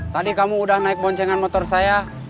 tadi kamu udah naik boncengan motor saya